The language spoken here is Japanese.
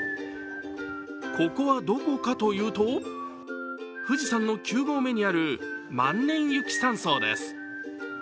ここはどこかというと富士山の９合目にある万年雪山荘です。